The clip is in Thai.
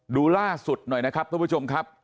ดูล่าสุดหน่อยนะครับท่านผู้ชมครับ